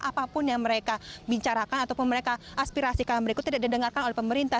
apapun yang mereka bicarakan ataupun mereka aspirasikan berikutnya tidak didengarkan oleh pemerintah